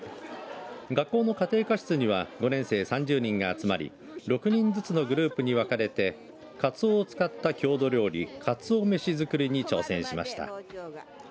学校の家庭科室には５年生３０人が集まり６人ずつのグループに分かれてかつおを使った郷土料理かつおめし作りに挑戦しました。